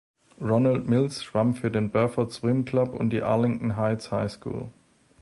Ronald Mills schwamm für den "Burford Swim Club" und die "Arlington Heights High School".